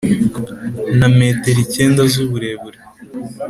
na metero icyenda z'uburebure